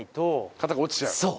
型が落ちちゃう？